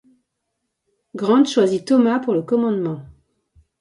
Grant choisi Thomas pour le commandement.